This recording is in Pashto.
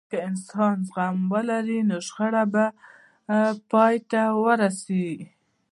که انسان زغم ولري، نو شخړه به پای ته ورسیږي.